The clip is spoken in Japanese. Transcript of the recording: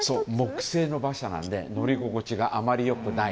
木製の馬車なので乗り心地があまり良くない。